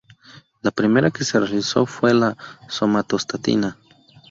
La primera que se realizó fue la somatostatina.